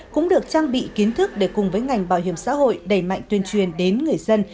cũng được trang bị kiến thức để cùng với ngành bảo hiểm xã hội đẩy mạnh tuyên truyền đến người dân